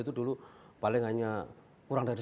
itu dulu paling hanya kurang dari